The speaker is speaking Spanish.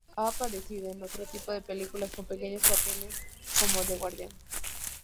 Ha aparecido en otro tipo de películas con pequeños papeles cómo The Guardian.